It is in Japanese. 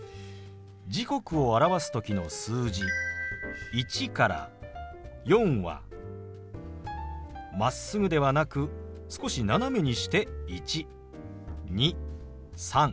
時刻を表す時の数字１から４はまっすぐではなく少し斜めにして１２３４。